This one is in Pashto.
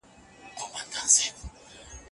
د اصفهان جګړه د پښتنو د بریالیتوب کیسه ده.